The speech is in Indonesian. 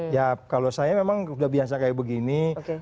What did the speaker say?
ya kalau saya memang udah biasa kayak begini